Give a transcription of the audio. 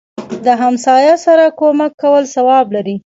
دهمسایه سره کومک کول ثواب لري